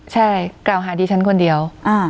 ใช่กล่าวหาดีฉันคนเดียว